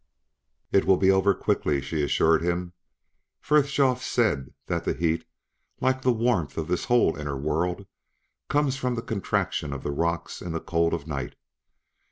"It will be over quickly," she assured him. "Frithjof said that the heat, like the warmth of this whole inner world, comes from the contraction of the rocks in the cold of night.